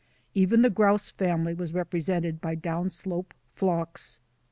Even the grouse family was represented by down slope flocks.